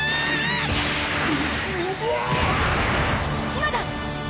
今だ！